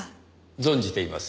存じています。